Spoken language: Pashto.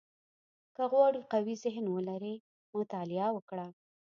• که غواړې قوي ذهن ولرې، مطالعه وکړه.